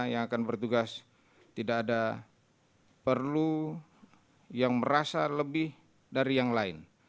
yang akan bertugas tidak ada perlu yang merasa lebih dari yang lain